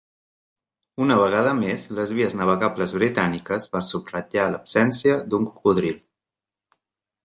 Una vegada més, les vies navegables britàniques va subratllar l'absència d'un cocodril.